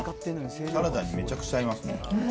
サラダにめちゃくちゃ合いますね。